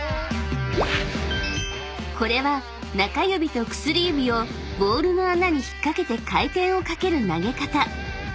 ［これは中指と薬指をボールの穴に引っ掛けて回転をかける投げ方］